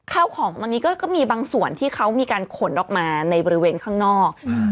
ข้าวของบางทีก็มีบางส่วนที่เขามีการขนออกมาในบริเวณข้างนอก